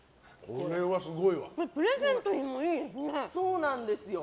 これ、プレゼントにもいいですね。